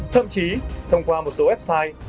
thậm chí thông qua một số website